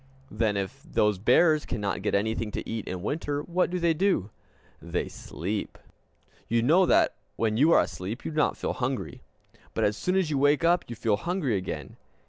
Then if those bears cannot get anything to eat in winter, what do they do? They sleep! You know that when you are asleep you do not feel hungry; but as soon as you wake up you feel hungry again.